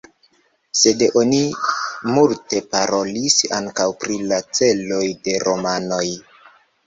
Sed oni multe parolis ankaŭ pri la celoj de romanoj.